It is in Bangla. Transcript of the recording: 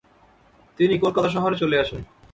তিনি কলকাতা শহরে চলে আসেন ।